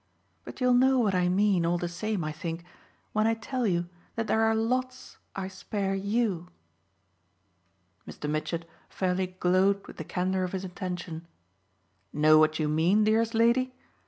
But you'll know what I mean, all the same, I think, when I tell you that there are lots I spare YOU!" Mr. Mitchett fairly glowed with the candour of his attention. "Know what you mean, dearest lady?